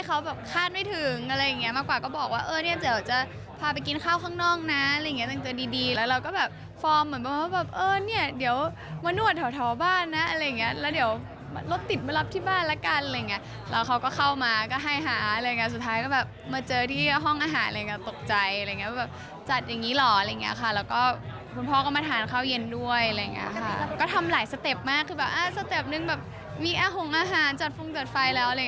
ก็ทำหลายสเต็ปมากคือแบบสเต็ปนึงแบบมีอาหงอาหารจัดฟุงจัดไฟแล้ว